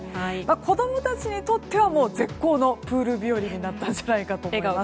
子供たちにとっては絶好のプール日和になったと思います。